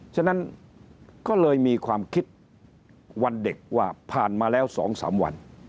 ฉะนั้นก็เลยมีความคิดวันเด็กว่าผ่านมาแล้ว๒๓วัน